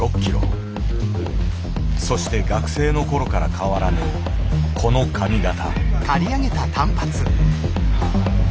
そして学生の頃から変わらぬこの髪形。